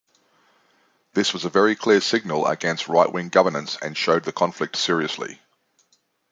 This was a very clear signal against right-wing governance and showed the conflict seriously.